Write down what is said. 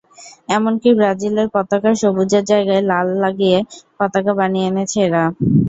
এমনকি ব্রাজিলের পতাকার সবুজের জায়গায় লাল লাগিয়ে পতাকা বানিয়ে এনেছে এরা।